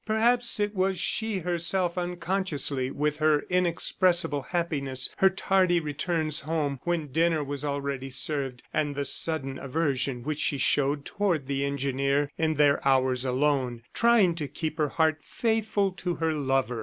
Perhaps it was she herself unconsciously, with her inexpressible happiness, her tardy returns home when dinner was already served, and the sudden aversion which she showed toward the engineer in their hours alone, trying to keep her heart faithful to her lover.